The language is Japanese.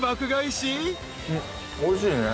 おいしいね。